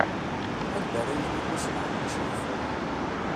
Anda ara yili mmi-s n ɛemmi Crif?